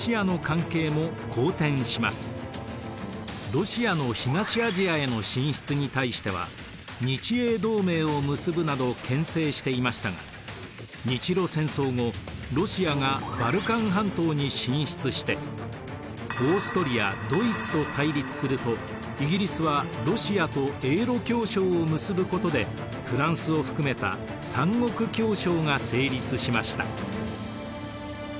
ロシアの東アジアへの進出に対しては日英同盟を結ぶなどけん制していましたが日露戦争後ロシアがバルカン半島に進出してオーストリアドイツと対立するとイギリスはロシアと英露協商を結ぶことでフランスを含めた三国協商が成立しました。